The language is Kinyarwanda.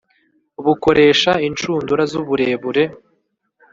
bukoresha inshundura z uburebure